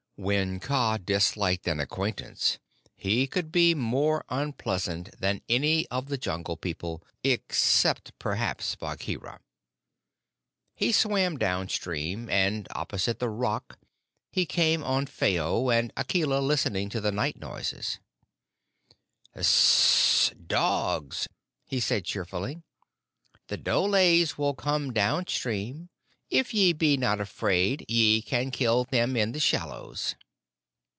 When Kaa disliked an acquaintance he could be more unpleasant than any of the Jungle People, except perhaps Bagheera. He swam down stream and opposite the Rock he came on Phao and Akela listening to the night noises. "Hssh! Dogs," he said cheerfully. "The dholes will come down stream. If ye be not afraid ye can kill them in the shallows."